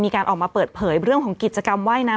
มีการออกมาเปิดเผยเรื่องของกิจกรรมว่ายน้ำ